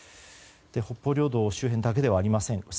北方領土周辺だけではありません。